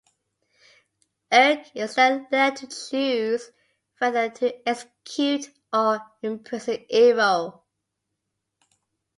Eryk is then left to choose whether to execute or imprison Ivo.